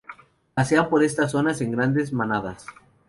Pasean por estas zonas en grandes manadas.